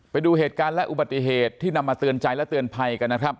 ไปดูเหตุการณ์และอุบัติเหตุที่นำมาเตือนใจและเตือนภัยกันนะครับ